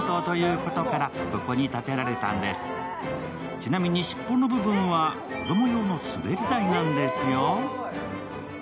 ちなみに尻尾の部分は子供用の滑り台なんですよ。